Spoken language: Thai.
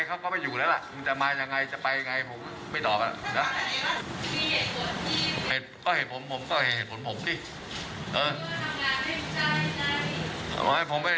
เอาไว้ไปเรื่องของผม